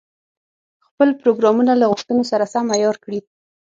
خپل پروګرامونه له غوښتنو سره سم عیار کړي.